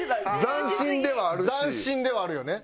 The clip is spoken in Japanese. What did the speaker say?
「斬新」ではあるよね。